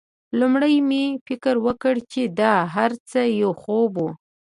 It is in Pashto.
لومړی مې فکر وکړ چې دا هرڅه یو خوب و